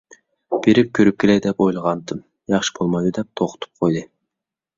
بېرىپ كۆرۈپ كېلەي دەپ ئويلىغانتىم. ياخشى بولمايدۇ، دەپ توختىتىپ قويدى.